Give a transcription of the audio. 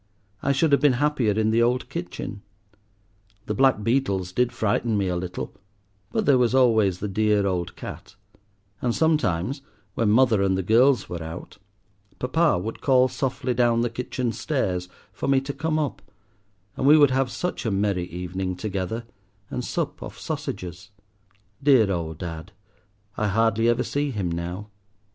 I should have been happier in the old kitchen. The black beetles did frighten me a little, but there was always the dear old cat; and sometimes, when mother and the girls were out, papa would call softly down the kitchen stairs for me to come up, and we would have such a merry evening together, and sup off sausages: dear old dad, I hardly ever see him now.